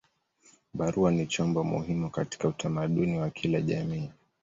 Barua ni chombo muhimu katika utamaduni wa kila jamii.